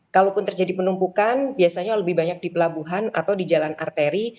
kalaupun terjadi penumpukan biasanya lebih banyak di pelabuhan atau di jalan arteri